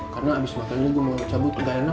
karena abis makan ini gue mau cabut gak enak